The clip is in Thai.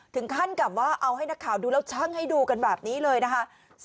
ถึงขั้นกับว่าเอาให้นักข่าวดูแล้วช่างให้ดูกันแบบนี้เลยนะคะ